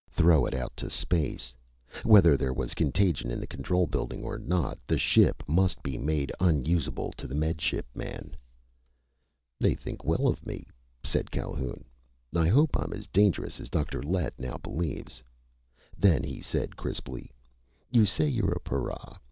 Throw it out to space! Whether there was contagion in the control building or not, the ship must be made unusable to the Med Ship man! "They think well of me," said Calhoun. "I hope I'm as dangerous as Dr. Lett now believes." Then he said crisply: "You say you're a para.